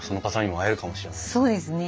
そうですね。